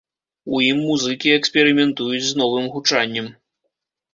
У ім музыкі эксперыментуюць з новым гучаннем.